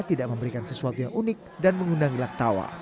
tidak memberikan sesuatu yang unik dan mengundang gelak tawa